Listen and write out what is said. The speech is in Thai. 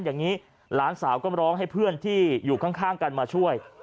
อย่างนี้หลานสาวก็ร้องให้เพื่อนที่อยู่ข้างกันมาช่วย